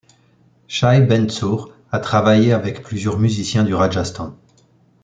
Shye Ben-Tzur a travaillé avec plusieurs musiciens du Rajasthan.